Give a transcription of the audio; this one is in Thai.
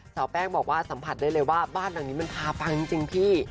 แป้งบอกว่าสัมผัสได้เลยว่าบ้านหลังนี้มันพาปังจริงพี่